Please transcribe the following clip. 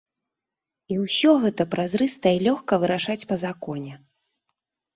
І ўсё гэта празрыста і лёгка вырашаць па законе.